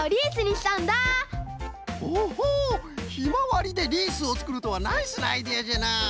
ほほうヒマワリでリースをつくるとはナイスなアイデアじゃな。